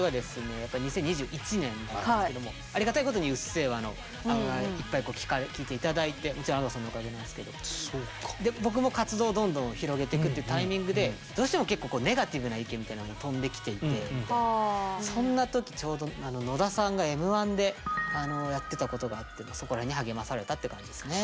やっぱり２０２１年だったんですけどもありがたいことに「うっせぇわ」のいっぱい聴いて頂いてもちろんＡｄｏさんのおかげなんですけどで僕も活動をどんどん広げてくっていうタイミングでどうしても結構ネガティブな意見みたいなのも飛んできていてそんな時ちょうど野田さんがＭ−１でやってたことがあって励まされたって感じですね。